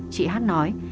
chị h nói